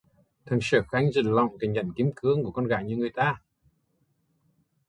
Thằng sở khanh dựt lọng cái nhẫn kim cương của con gái người ta